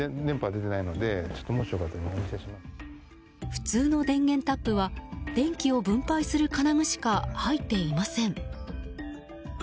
普通の電源タップは電気を分配する金具しか入っていません。